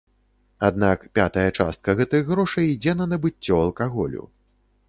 Аднак пятая частка гэтых грошай ідзе на набыццё алкаголю.